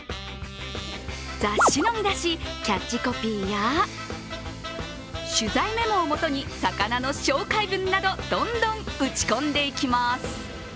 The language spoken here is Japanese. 雑誌の見出し、キャッチコピーや取材メモをもとに魚の紹介文などどんどん打ち込んでいきます。